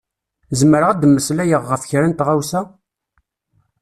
Zemreɣ ad d-meslayeɣ ɣef kra n tɣawsa?